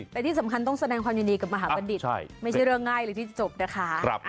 แต่ที่สำคัญต้องแสดงความยินดีกับมหาบัณฑิตไม่ใช่เรื่องง่ายเลยที่จะจบนะคะ